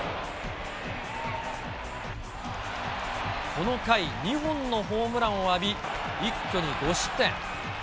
この回２本のホームランを浴び、一挙に５失点。